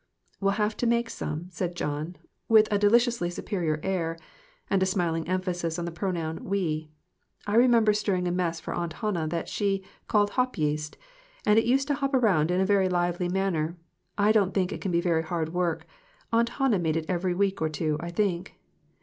"We'll have to make some," said John, with a deliciously superior air, and a smiling emphasis on the pronoun "we." "I remember stirring a mess for Aunt Hannah that she called hop yeast, and it used to hop around in a lively manner. I don't think it can be very hard work. Aunt Han nah made it every week or two, I think."